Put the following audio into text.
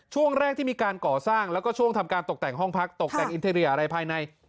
ช่วงแรกที่มีการก่อสร้างแล้วก็ช่วงทำการตกแต่งห้องพักตกแต่งอินเทรียอะไรภายใน